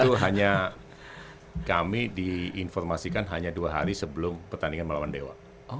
itu hanya kami diinformasikan hanya dua hari sebelum pertandingan melawan dewa